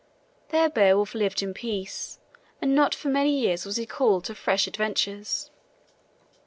There Beowulf lived in peace, and not for many years was he called to fresh adventures.